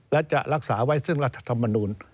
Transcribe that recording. และจะรักษาไว้ซึ่งรัฐธรรมนูล